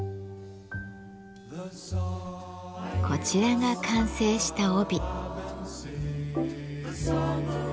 こちらが完成した帯。